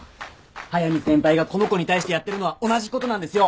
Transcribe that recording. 速見先輩がこの子に対してやってるのは同じことなんですよ！